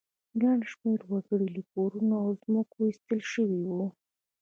ګڼ شمېر وګړي له کورونو او ځمکو ایستل شوي وو